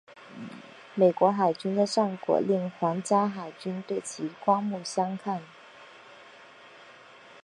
美国海军的战果令皇家海军对其刮目相看。